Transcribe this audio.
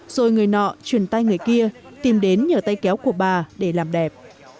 rồi người nọ truyền tay người kia tìm đến nhờ tay kéo của bà để làm đẹp